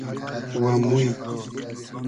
و موی